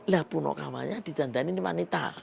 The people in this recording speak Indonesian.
lapunokamanya ditandaini manita